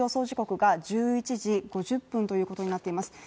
時刻が１１時５０分ということになっています